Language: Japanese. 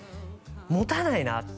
「持たないな」